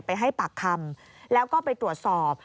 ไปให้ปากคำแล้วก็ไปตรวจสอบ